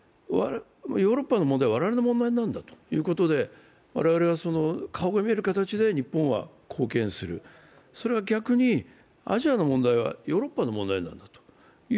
ヨーロッパの問題は我々の問題なんだということで、我々は顔が見える形で日本は貢献する、それは逆に、アジアの問題はヨーロッパの問題なんだと。